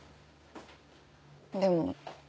でも。